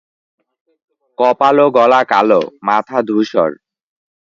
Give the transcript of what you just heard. কপাল ও গলা কালো, মাথা ধূসর।